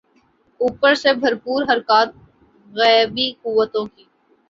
اوپر سے بھرپور حرکات غیبی قوتوں کی۔